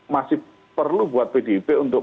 masih perlu buat pdip untuk